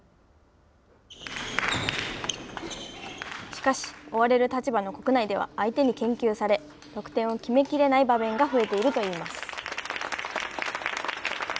しかし、追われる立場の国内では相手に研究され、得点を決めきれない場面が増えているといいます。